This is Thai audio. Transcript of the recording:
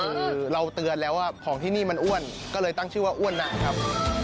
คือเราเตือนแล้วว่าของที่นี่มันอ้วนก็เลยตั้งชื่อว่าอ้วนนะครับ